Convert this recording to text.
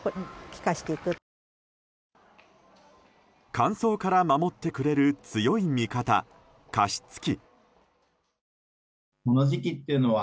乾燥から守ってくれる強い味方加湿器。